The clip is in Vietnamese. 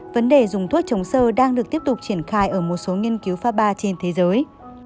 vấn đề dùng thuốc chống sơ đang được tiếp tục triển khai ở một số nghiên cứu pha ba trên thế giới